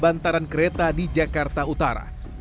bantaran kereta di jakarta utara